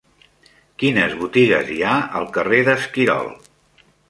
Quines botigues hi ha al carrer d'Esquirol?